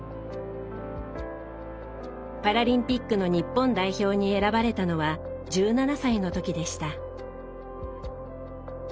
パラリンピックの日本代表に選ばれたのは１７歳の時でした。